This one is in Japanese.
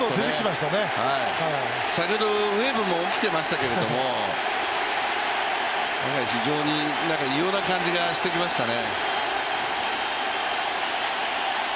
先ほどウェーブも起きてましたけれども、非常に異様な感じがしてきましたね。